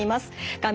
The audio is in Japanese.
画面